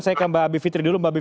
saya ke mbak bivitri dulu